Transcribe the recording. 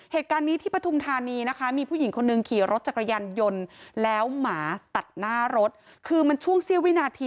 เหตุการณ์นี้ที่ปฐุมธานีนะคะมีผู้หญิงคนหนึ่งขี่รถจักรยานยนต์แล้วหมาตัดหน้ารถคือมันช่วงเสี้ยววินาที